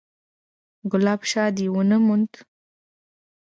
_ګلاب شاه دې ونه موند؟